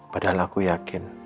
padahal aku yakin